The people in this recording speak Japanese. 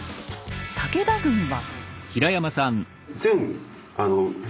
武田軍は。